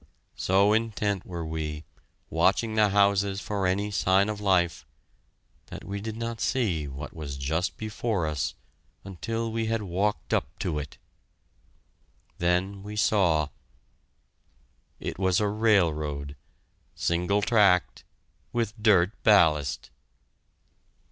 So intent were we, watching the houses for any sign of life, that we did not see what was just before us until we had walked up to it. Then we saw It was a railroad, single tracked, with dirt ballast!